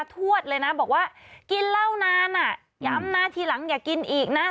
ทวดเลยนะบอกว่ากินเหล้านานอ่ะย้ำนะทีหลังอย่ากินอีกนะ